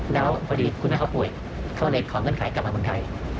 แล้วพอดีคุณแม่เขาป่วยเขาเลยขอเงื่อนไขกลับมาเมืองไทย